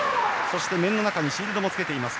そして面の中にシールドもつけています。